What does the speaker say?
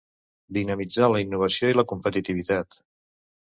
Dinamitzar la innovació i la competitivitat.